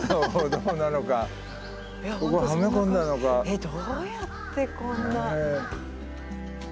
えっどうやってこんな。